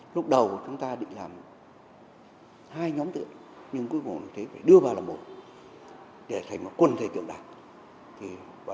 lúc đầu chúng ta định làm hai nhóm tượng nhưng cuối cùng phải đưa vào là một để thành một quân thể tượng đại